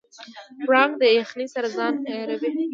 پړانګ د یخنۍ سره ځان عیاروي.